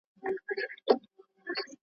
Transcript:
ساقي نن مي خړوب که شپه تر پایه مستومه.